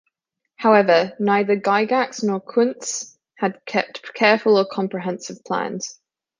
However, neither Gygax nor Kuntz had kept careful or comprehensive plans.